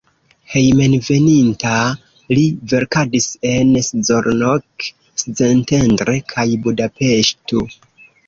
Hejmenveninta li verkadis en Szolnok, Szentendre kaj Budapeŝto.